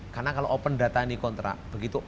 karena kalau open data ini kontrak begitu